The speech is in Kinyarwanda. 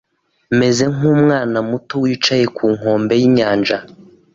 Meze nk’umwana muto wicaye ku nkombe y’inyanja